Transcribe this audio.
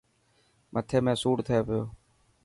مٿي ۾ سور ٿي پيو.